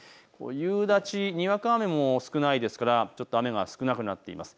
夕立、にわか雨も少ないですからちょっと雨が少なくなっています。